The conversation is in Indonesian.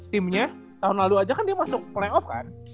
timnya tahun lalu aja kan dia masuk playoff kan